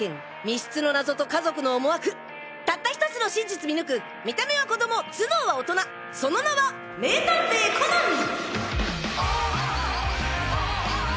密室の謎と家族の思惑たった１つの真実見抜く見た目は子供頭脳は大人その名は名探偵コナン！